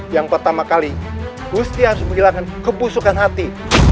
yang pertama kali gusti harus menghilangkan kebusukan hati